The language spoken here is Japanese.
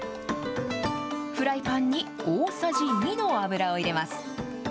フライパンに大さじ２の油を入れます。